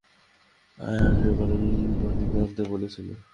আয়াকে গরম পানি আনতে বলেছি।